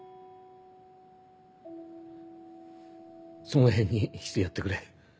そのへんにしてやってくれ。